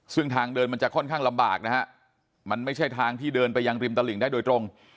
ซึ่งทางเดินมันจะค่อนข้างลำบากนะฮะมันไม่ใช่ทางที่เดินไปยังริมตลิ่งได้โดยตรง